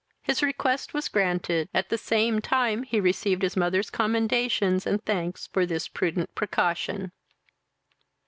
His request was granted, at the same time he received his mother's commendations and thanks for this prudent precaution.